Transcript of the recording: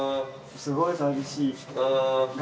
すごい寂しい。